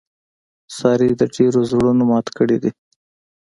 سارې د ډېرو زړونه مات کړي دي.